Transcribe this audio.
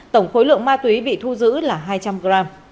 tổng khối lượng ma túy bị thu giữ là hai trăm linh gram